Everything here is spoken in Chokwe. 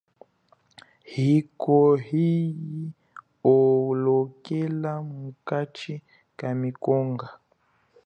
Yikwo, iyi holokela mukachi kamingonga.